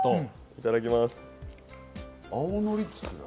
いただきます。